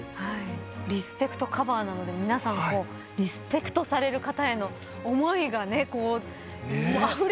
「リスペクト！！カバー」なので皆さんリスペクトされる方への思いがあふれて歌われるんでしょうね。